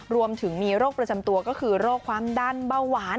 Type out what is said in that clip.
รวมถึงมีโรคประจำตัวก็คือโรคความดันเบาหวาน